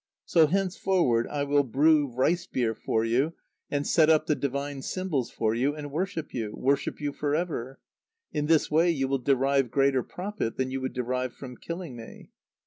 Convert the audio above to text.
So henceforward I will brew rice beer for you, and set up the divine symbols for you, and worship you, worship you for ever. In this way you will derive greater profit than you would derive from killing me.